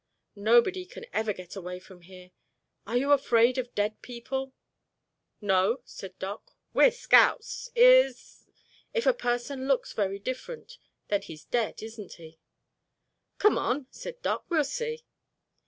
Nobody can ever get away from here. Are you afraid of dead people?" "No," said Doc. "We're scouts. Is——" "If a person looks very different, then he's dead, isn't he?" "Come on," said Doc. "We'll see."